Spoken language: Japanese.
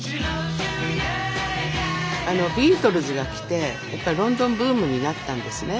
ビートルズが来てロンドンブームになったんですね。